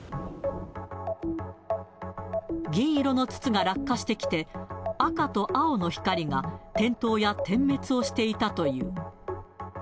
銀色の筒が落下してきて、赤と青の光が点灯や点滅をしていたという。